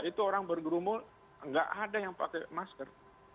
itu orang bergerumun nggak ada yang pakai masker